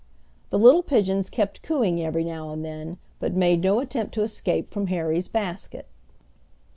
The little pigeons kept cooing every now and then, but made no attempt to escape from Harry's basket.